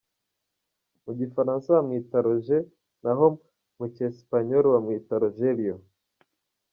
Mu gifaransa bamwita Roger naho mucyesipanyoro bamwita Rogelio.